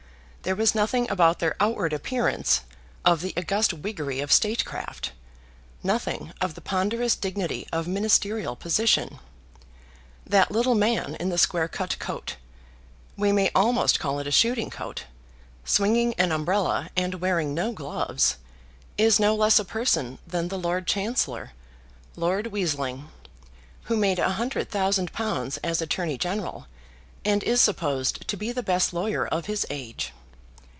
There was nothing about their outward appearance of the august wiggery of statecraft, nothing of the ponderous dignity of ministerial position. That little man in the square cut coat, we may almost call it a shooting coat, swinging an umbrella and wearing no gloves, is no less a person than the Lord Chancellor, Lord Weazeling, who made a hundred thousand pounds as Attorney General, and is supposed to be the best lawyer of his age.